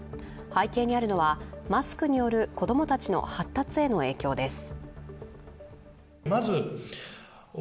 背景にあるのは、マスクによる子供たちの発達への影響です。